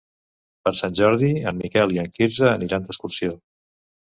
Per Sant Jordi en Miquel i en Quirze aniran d'excursió.